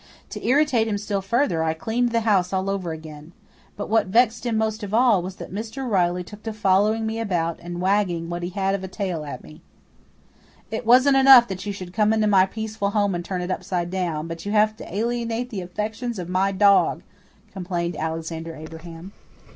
To irritate him still further I cleaned the house all over again. But what vexed him most of all was that Mr. Riley took to following me about and wagging what he had of a tail at me. "It wasn't enough that you should come into my peaceful home and turn it upside down, but you have to alienate the affections of my dog," complained Alexander Abraham.